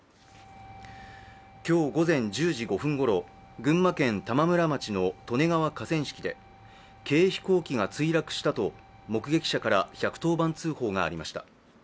今日午前１０時５分ごろ、群馬県玉村町の利根川河川敷で軽飛行機が墜落したと目撃者から１１０番通報がありました